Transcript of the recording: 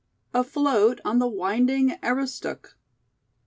AFLOAT ON THE WINDING AROOSTOOK.